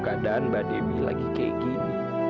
keadaan mbak dewi lagi kayak gini